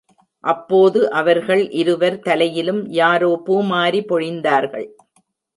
அப்போது அவர்கள் இருவர் தலையிலும் யாரோ பூமாரி பொழிந்தார்கள்.